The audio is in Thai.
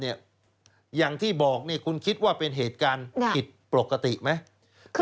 อย่างที่บอกคุณคิดว่าเป็นเหตุการณ์ผิดปกติไหม